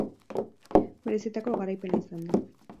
Merezitako garaipena izan da.